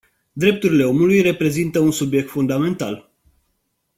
Drepturile omului reprezintă un subiect fundamental.